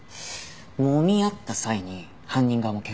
もみ合った際に犯人側も怪我をした。